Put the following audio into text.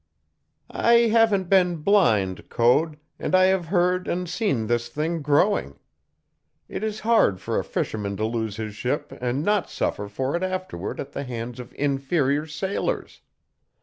"I haven't been blind, Code, and I have heard and seen this thing growing. It is hard for a fisherman to lose his ship and not suffer for it afterward at the hands of inferior sailors.